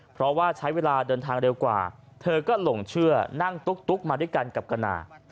เพราะว่าใช้เวลาเดินทางเร็วกว่าเธอก็หลงเชื่อนั่งตุ๊กมาด้วยกันกับกนา